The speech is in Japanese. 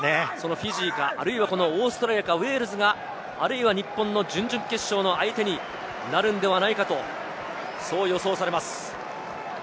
フィジーかオーストラリアかウェールズか、あるいは日本の準々決勝の相手になるんではないかと、そう予想されます。